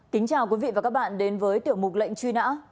kính chào quý vị và các bạn đến với tiểu mục lệnh truy nã